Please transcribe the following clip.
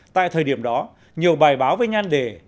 tại thời điểm đó nhiều bài báo với nhan đề